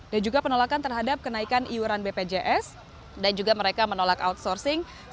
dan juga penolakan terhadap kenaikan iuran bpjs dan juga mereka menolak outsourcing